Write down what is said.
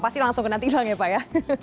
pasti langsung kena timbang ya pak ya